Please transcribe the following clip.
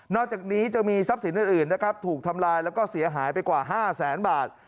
อกจากนี้จะมีทรัพย์สินอื่นนะครับถูกทำลายแล้วก็เสียหายไปกว่า๕แสนบาท